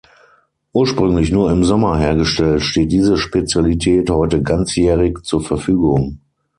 Ursprünglich nur im Sommer hergestellt, steht diese Spezialität heute ganzjährig zur Verfügung.